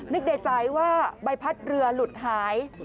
นึกในใจว่าใบพัดเรือหลุดหาย